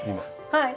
はい。